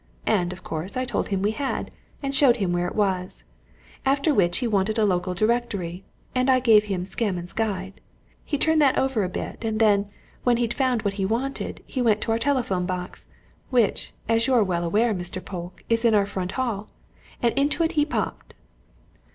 And, of course, I told him we had, and showed him where it was after which he wanted a local directory, and I gave him Scammond's Guide. He turned that over a bit, and then, when he'd found what he wanted, he went to our telephone box which, as you're well aware, Mr. Polke, is in our front hall. And into it he popped."